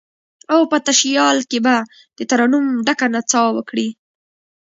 او په تشیال کې به، دترنم ډکه نڅا وکړي